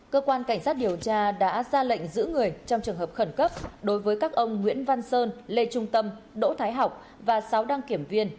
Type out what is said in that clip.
cơ quan cảnh sát điều tra đã ra lệnh giữ người trong trường hợp khẩn cấp đối với các ông nguyễn văn sơn lê trung tâm đỗ thái học và sáu đăng kiểm viên